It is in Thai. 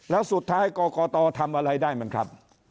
แล้วสุดท้ายกรกตทำอะไรได้มันครับ